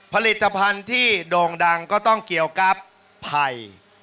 ผลิตภัณฑ์ที่โด่งดังก็ต้องเกี่ยวกับไผ่